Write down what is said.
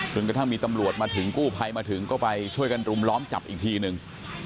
กระทั่งมีตำรวจมาถึงกู้ภัยมาถึงก็ไปช่วยกันรุมล้อมจับอีกทีนึง